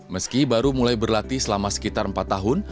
meski baru mulai berlatih selama sekitar empat tahun